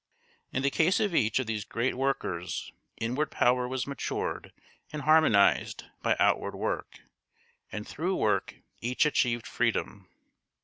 In the case of each of these great workers inward power was matured and harmonised by outward work, and through work each achieved freedom.